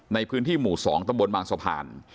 ในพื้นที่หมู่๒ตำบลบางสะพาน